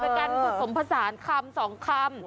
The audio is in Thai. เป็นการผสมผสานคำสองคำ